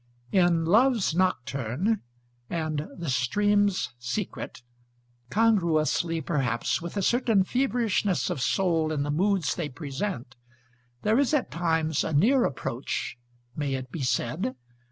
In Love's Nocturn and The Stream's Secret, congruously perhaps with a certain feverishness of soul in the moods they present, there is at times a near approach (may it be said?)